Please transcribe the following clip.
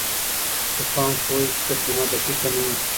خو پام کوئ چې ترجمه دقیقه نه وي.